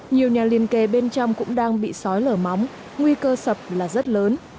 nhiều nhà liền kề bên trong cũng đang bị sói lở móng nguy cơ sập là rất lớn